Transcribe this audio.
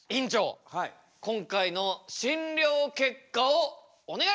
今回の診りょう結果をお願いします！